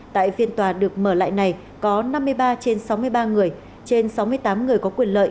tại phiên tòa được mở lại này có năm mươi ba trên sáu mươi ba người trên sáu mươi tám người có quyền lợi